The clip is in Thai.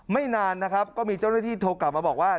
ไม่นานนะครับก็มีเจ้าหน้าที่โทรกลับมาบอกว่า